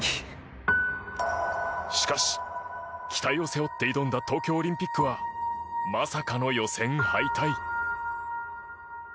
しかし、期待を背負って挑んだ東京オリンピックはまさかの予選敗退。